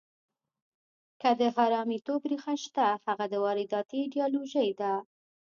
که د حرامیتوب ریښه شته، هغه د وارداتي ایډیالوژیو ده.